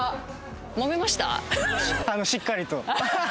しっかりと。